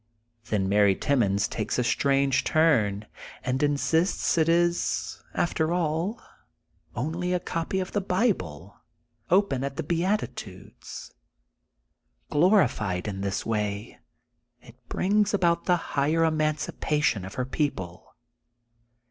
Then Mary Timmons takes a strange torn, and insists it is, after all, only a copy of the Bible, open at the Beatitudes. Glorified in this way it brings about the higher emancipa tion of her people.